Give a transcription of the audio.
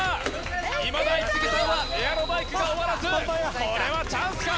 いまだイキスギさんはエアロバイクが終わらずこれはチャンスか？